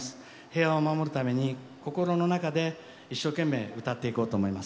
平和を守るために心の中で一生懸命歌っていこうと思います。